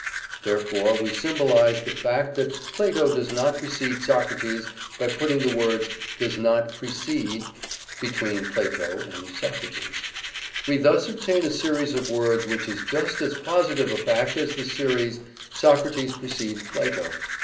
Therefore we symbolize the fact that Plato does not precede Socrates by putting the words "does not precede" between "Plato" and "Socrates." We thus obtain a series of words which is just as positive a fact as the series "Socrates precedes Plato."